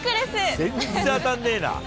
全然当たんねえな。